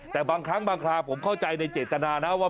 แต่บางครั้งบางคราวผมเข้าใจในเจตนานะว่า